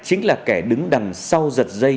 ai chính là kẻ đứng đằng sau giật dây